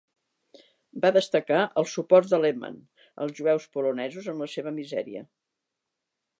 Va destacar el suport de Lehmann als jueus polonesos en la seva misèria.